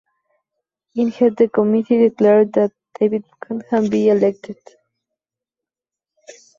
Instead the committee declared that David Buchanan had been elected.